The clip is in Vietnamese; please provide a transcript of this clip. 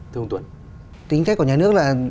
thưa ông tuấn